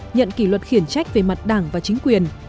nhận kỷ luật khiển trách về mặt đảng và chính quyền